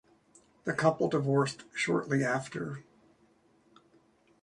The couple divorced shortly after.